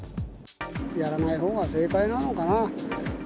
やらないほうが正解なのかな。